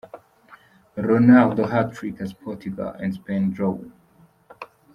Ronaldo hat-trick as Portugal & Spain draw.